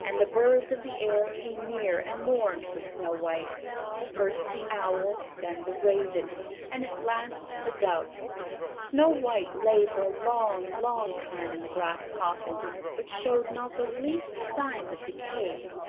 And the birds of the air came near and mourned for Snow white; first the owl, then the raven, and at last the dove. Snow white lay for a long, long time in the glass coffin, but showed not the least signs of decay.